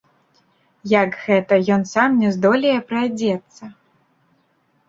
Як гэта, ён сам не здолее прыадзецца?